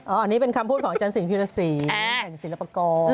อันนี้เป็นคำพูดของอาจารย์สิงพิรสีแห่งศิลปกรณ์